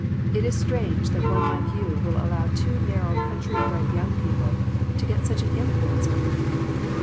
" It is strange that one like you will allow two narrow, countrybred young people to get such an influence over you."